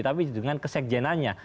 tapi dengan kesekjenanya